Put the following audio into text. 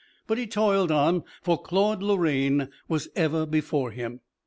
But he toiled on, for Claude Lorraine was ever before him.